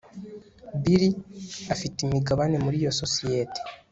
bill afite imigabane muri iyo sosiyete